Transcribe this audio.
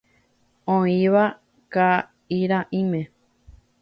Oĩva ka'irãime.